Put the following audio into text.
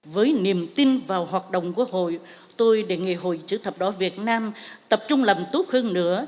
với niềm tin vào hoạt động quốc hội tôi đề nghị hội chữ thập đỏ việt nam tập trung làm tốt hơn nữa